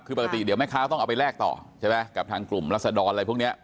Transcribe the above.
คือปกติเดี๋ยวแม่ค้าต้องเอาไปแลกต่อใช่ไหมกับทางกลุ่มรัศดรอะไรพวกนี้